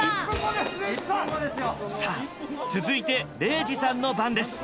さあ続いて礼二さんの番です。